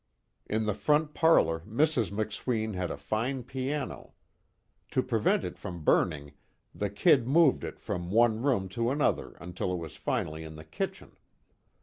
In the front parlor, Mrs. McSween had a fine piano. To prevent it from burning, the "Kid" moved it from one room to another until it was finally in the kitchen.